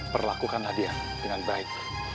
perlakukanlah dia dengan baik